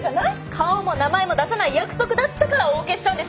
顔も名前も出さない約束だったからお受けしたんです。